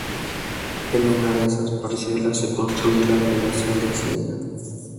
En una de esas parcelas se construye la delegación de Hacienda.